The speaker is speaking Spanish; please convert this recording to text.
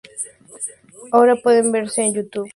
Ahora pueden verse en "Youtube".